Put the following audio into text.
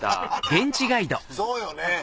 そうよね。